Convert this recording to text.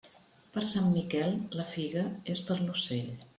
Per sant Miquel, la figa és per a l'ocell.